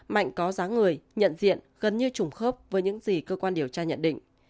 mạnh có giá người nhận diện gần như trùng khớp với những gì cơ quan điều tra nhận định